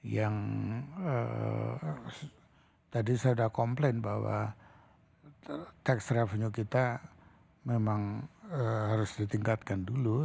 yang tadi saya sudah komplain bahwa tax revenue kita memang harus ditingkatkan dulu